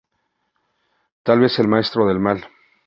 Tal vez el maestro del mal.